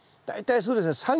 大体そうですね